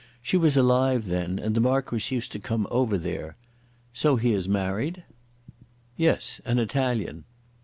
She was alive then, and the Marquis used to come over there. So he has married?" "Yes; an Italian."